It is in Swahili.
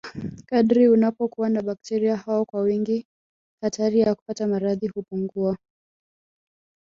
kadiri unapokuwa na bakteria hao kwa wingi hatari ya kupata maradhi hupungua